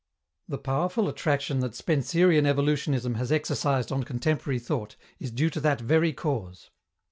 The powerful attraction that Spencerian evolutionism has exercised on contemporary thought is due to that very cause.